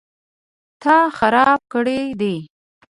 _تا خراب کړی دی؟